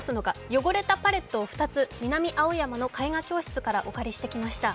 汚れたパレットを２つ、南青山の絵画教室からお借りしてきました。